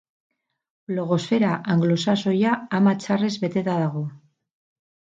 Blogosfera anglosaxoia ama txarrez beteta dago.